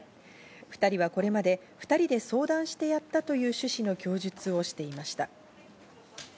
２人はこれまで、２人で相談してやったという趣旨の供述をしていました。